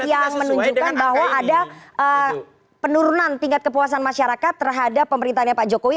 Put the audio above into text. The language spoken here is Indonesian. yang menunjukkan bahwa ada penurunan tingkat kepuasan masyarakat terhadap pemerintahnya pak jokowi